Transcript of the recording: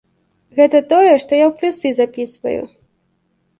Гэта тое, што я ў плюсы запісваю.